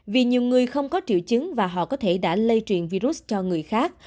vì nhiều người không có triệu chứng và họ có thể đã lây truyền virus cho người khác